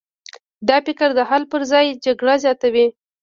دا فکر د حل پر ځای جګړه زیاتوي.